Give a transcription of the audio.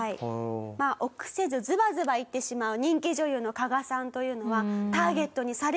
臆せずズバズバ言ってしまう人気女優の加賀さんというのは。